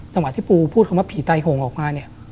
สมัยที่ปูพูดคำว่าผีไตห่งออกมา